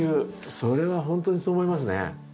それは本当にそう思いますね。